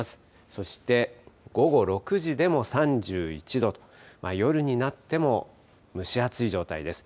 そして午後６時でも３１度と、夜になっても蒸し暑い状態です。